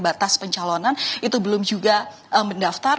batas pencalonan itu belum juga mendaftar